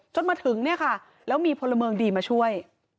จนมาถึงแล้วมีพลเมืองดีมาช่วย